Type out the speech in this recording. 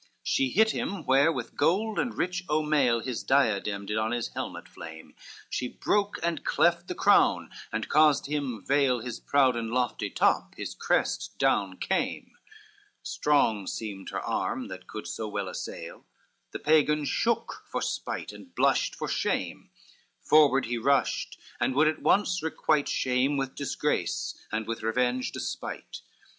XLII She hit him, where with gold and rich anmail, His diadem did on his helmet flame, She broke and cleft the crown, and caused him veil His proud and lofty top, his crest down came, Strong seemed her arm that could so well assail: The Pagan shook for spite and blushed for shame, Forward he rushed, and would at once requite Shame with disgrace, and with revenge despite.